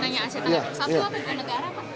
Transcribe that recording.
satu atau dua negara